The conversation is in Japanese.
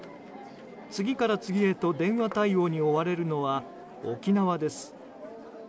次から次へと、電話対応に追われるのは沖縄です。